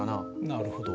なるほど。